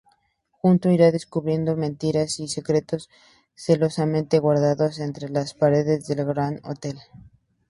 Juntos irán descubriendo mentiras y secretos celosamente guardados entre las paredes del Gran Hotel.